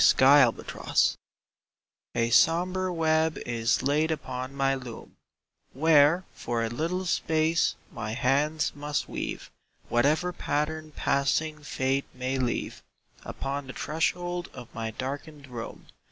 Meavino SOMBRE web is laid upon my loom Where for a little space my hands must weave Whatever pattern passing Fate may leave Upon the threshold of my darkened room.